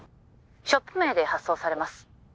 ☎ショップ名で発送されます